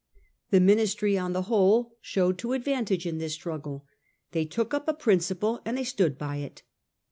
The Ministry on the whole showed to advan tage in this struggle. They took up a principle and they stood by it.